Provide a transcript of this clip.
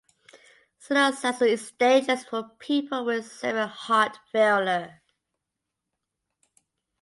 Cilostazol is dangerous for people with severe heart failure.